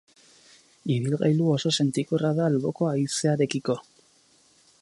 Ibilgailua oso sentikorra da alboko haizearekiko.